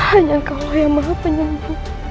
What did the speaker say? hanya kau yang maha penyembuh